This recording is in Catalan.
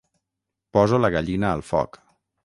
Poso la gallina al foc.